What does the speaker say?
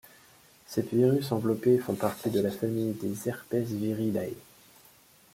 Ces virus enveloppés font partie de la famille des Herpesviridae.